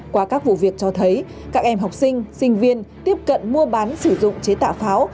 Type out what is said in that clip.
qua các vụ việc cho thấy các em học sinh sinh viên tiếp cận mua bán sử dụng chế tạo pháo